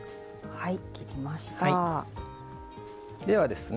はい。